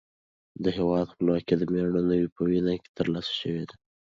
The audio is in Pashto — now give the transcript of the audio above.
د هېواد خپلواکي د مېړنیو په وینه ترلاسه شوې ده.